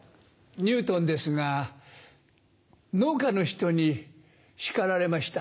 ニュートンですが農家の人に叱られました。